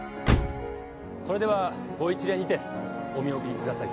それではご一礼にてお見送りください